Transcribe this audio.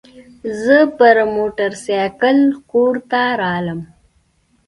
زه پر موترسایکل کور ته رالم.